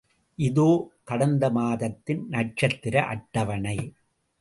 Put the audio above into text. இதோ கடந்தமாதத்தின் நட்சத்திர அட்டவணை.